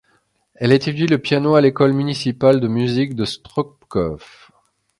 Elle étudie le piano à l'école municipale de musique de Stropkov.